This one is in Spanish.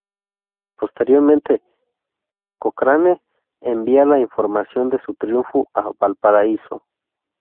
Posteriormente, Cochrane envía la información de su triunfo a Valparaíso.